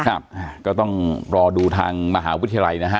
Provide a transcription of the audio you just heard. ครับก็ต้องรอดูทางมหาวิทยาลัยนะฮะ